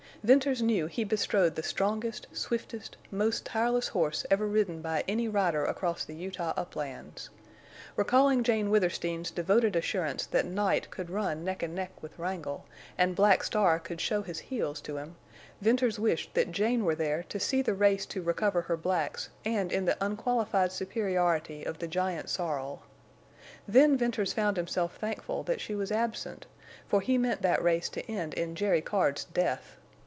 Venters knew he bestrode the strongest, swiftest, most tireless horse ever ridden by any rider across the Utah uplands. Recalling Jane Withersteen's devoted assurance that Night could run neck and neck with Wrangle, and Black Star could show his heels to him, Venters wished that Jane were there to see the race to recover her blacks and in the unqualified superiority of the giant sorrel. Then Venters found himself thankful that she was absent, for he meant that race to end in Jerry Card's death.